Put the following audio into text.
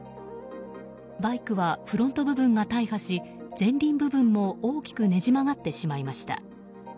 バイクはフロント部分が大破し前輪部分も大きくねじ曲がってしまいました。